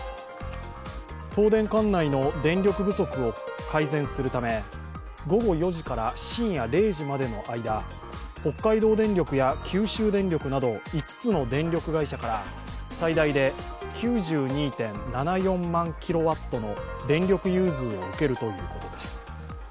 東電管内の電力不足を改善するため午後４時から深夜０時までの間北海道電力や九州電力など５つの電力会社から最大で９２．７４万ｋＷの電力融通を受けるということです。